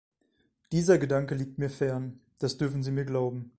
Dieser Gedanke liegt mir fern, das dürfen Sie mir glauben!